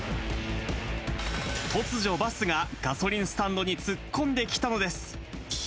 突如、バスがガソリンスタンドに突っ込んできたのです。